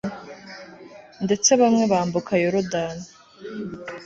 ndetse bamwe bambuka yorudani